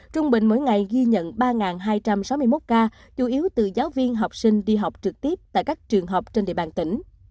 trung bình mỗi ngày ghi nhận ba hai trăm sáu mươi một ca chủ yếu từ giáo viên học sinh đi học trực tiếp tại các trường học trên địa bàn tỉnh